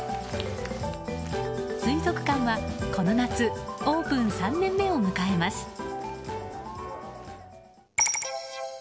水族館はこの夏オープン３年目を迎えます。